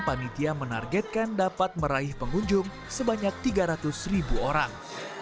panitia menargetkan dapat meraih pengunjung sebanyak tiga ratus ribu orang